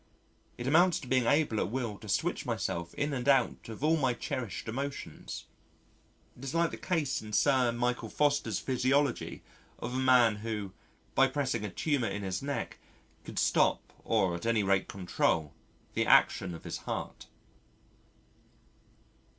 It amounts to being able at will to switch myself in and out of all my most cherished emotions; it is like the case in Sir Michael Foster's Physiology of a man who, by pressing a tumour in his neck could stop or at any rate control the action of his heart.